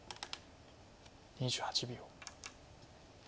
２８秒。